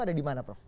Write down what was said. ada di mana prof